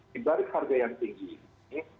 dibalik harga yang tinggi ini